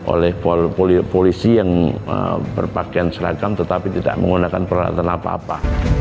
oleh polisi yang berpakaian seragam tetapi tidak menggunakan peralatan apa apa